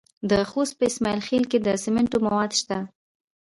د خوست په اسماعیل خیل کې د سمنټو مواد شته.